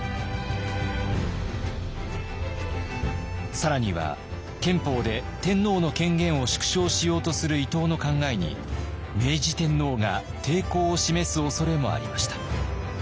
更には憲法で天皇の権限を縮小しようとする伊藤の考えに明治天皇が抵抗を示すおそれもありました。